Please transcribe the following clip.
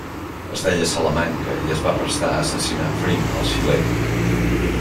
Es deia Salamanca i es va prestar a assassinar Fring, el xilè.